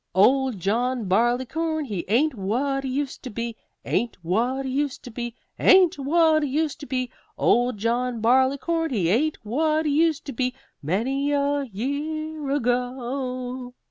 Old John Barleycorn, he ain't what he used to be AIN'T WHAT HE USED TO BE AIN'T WHAT HE USED TO BE! Old John Barleycorn, he ain't what he used to be, Many a year ago.